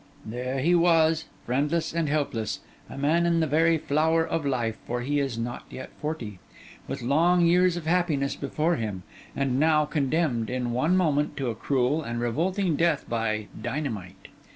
There he was, friendless and helpless; a man in the very flower of life, for he is not yet forty; with long years of happiness before him; and now condemned, in one moment, to a cruel and revolting death by dynamite!